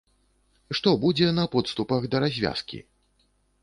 Што будзе на подступах да развязкі?